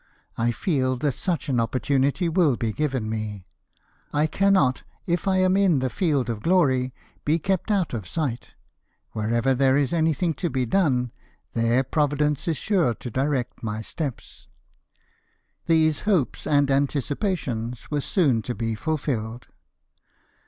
I feel that such an opportunity will be given me. I cannot, if I am in the field of glory, be kept out of sight; wherever there is anything to be done, there Providence is sure to direct my steps." These hopes and anticipations were soon to be fulfilled.